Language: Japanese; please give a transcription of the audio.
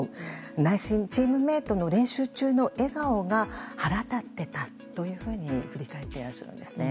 内心、チームメートの練習中の笑顔が腹立ってたというふうに振り返っていらっしゃるんですね。